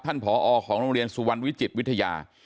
ผอของโรงเรียนสุวรรณวิจิตวิทยา